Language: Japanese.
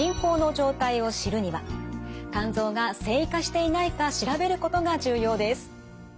肝臓が線維化していないか調べることが重要です。